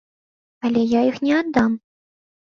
Але я іх не аддам.